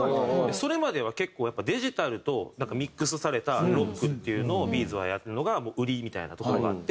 それまでは結構やっぱデジタルとミックスされたロックっていうのをＢ’ｚはやるのが売りみたいなところがあって。